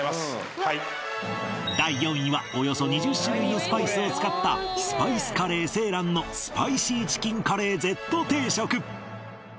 はい第４位はおよそ２０種類のスパイスを使ったスパイスカレー青藍のスパイシーチキンカレーＺ定食